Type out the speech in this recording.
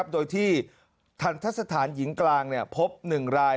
โดยที่ทันทรศาสตร์ธรรมหญิงกลางพบ๑ราย